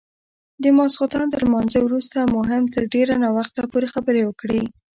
د ماخستن تر لمانځه وروسته مو هم تر ډېر ناوخته پورې خبرې وکړې.